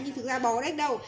nhưng thực ra bò đấy đâu